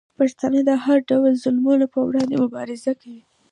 پښتانه د هر ډول ظالمانو په وړاندې مبارزه کوي.